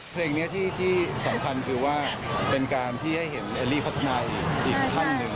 เพลงนี้ที่สำคัญคือว่าเป็นการที่ให้เห็นเอลลี่พัฒนาอีกขั้นหนึ่ง